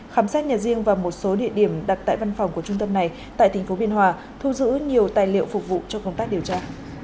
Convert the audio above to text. khám xét nhà riêng và một số địa điểm đặt tại văn phòng của trung tâm này tại tp biên hòa thu giữ nhiều tài liệu phục vụ cho công tác điều tra